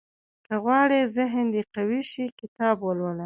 • که غواړې ذهن دې قوي شي، کتاب ولوله.